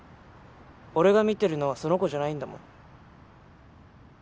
俺が見てるのはその子じゃないんだもん